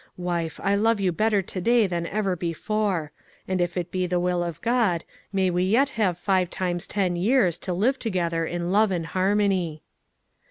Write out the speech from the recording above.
Wife, I love you better to day than ever before, and if it be the will of God, may we yet have five times ten years to live together in love and harmony."